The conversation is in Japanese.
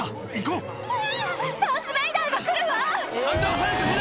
うわ！